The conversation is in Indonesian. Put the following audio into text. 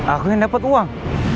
aku yang dapat uang